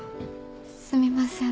すみません